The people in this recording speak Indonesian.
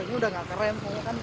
ini udah gak keren